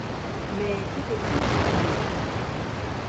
Mais qu’étaient-ils tous deux?